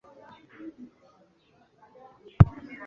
murumve bantu banjye nabaraze urukundo